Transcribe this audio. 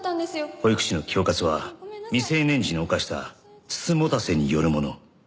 保育士の恐喝は未成年時に犯した美人局によるもの。